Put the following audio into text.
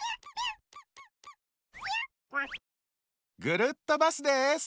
ぐるっとバスです。